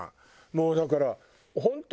もうだから本当